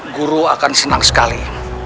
guru akan senang sekali